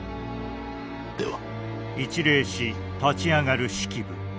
では。